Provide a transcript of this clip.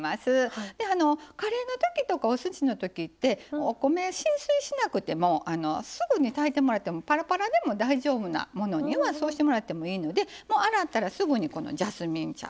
カレーのときとかおすしのときってお米浸水しなくてもすぐに炊いてもらってもぱらぱらでも大丈夫なものにはそうしてもらってもいいので洗ったらすぐにジャスミン茶。